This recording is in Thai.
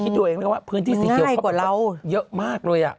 คุณคิดดูอื่นเลยครับว่าพื้นที่สีเขียวเยอะมากเลย